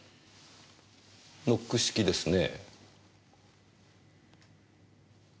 ノック式ですねえ。